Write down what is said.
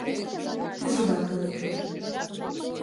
Тӱжваке лекте.